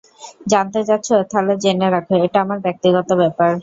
জানতে চাচ্ছ, তাহলে জেনে রাখো এটা আমার ব্যক্তিগত ব্যাপার।